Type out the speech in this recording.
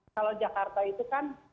kalau jakarta itu kan